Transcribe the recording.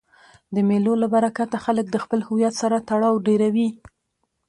د مېلو له برکته خلک د خپل هویت سره تړاو ډېروي.